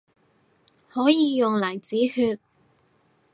可以用嚟止血